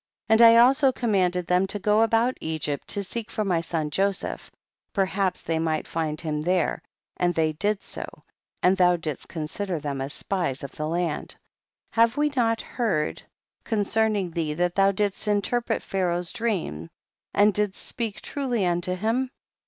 And I also commanded them to go about Egypt to seek for my son Joseph, perhaps they might find him there, and they did so, and thou didst consider them as spies of the land. 33. Have we not heard concerning thee that thou didst interpret Pha* raoh's dream and didst speak truly unto him